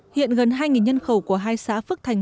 hiện gần hai nhân khẩu của hai xã phước thành